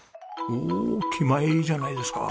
おお気前いいじゃないですか。